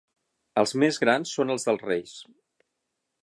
Els més grans són els dels reis.